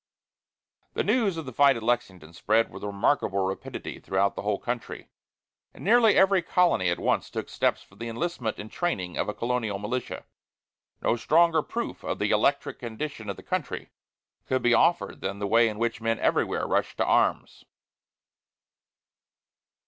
The news of the fight at Lexington spread with remarkable rapidity throughout the whole country, and nearly every colony at once took steps for the enlistment and training of a colonial militia. No stronger proof of the electric condition of the country could be offered than the way in which men everywhere rushed to arms.